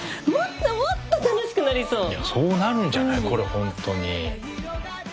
そうなるんじゃないこれ本当に。